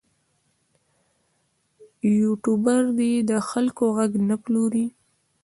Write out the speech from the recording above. یوټوبر دې د خلکو غږ نه پلوري.